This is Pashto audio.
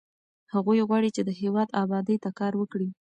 هغوی غواړي چې د هېواد ابادۍ ته کار وکړي.